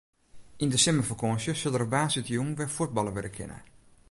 Yn de simmerfakânsje sil der op woansdeitejûn wer fuotballe wurde kinne.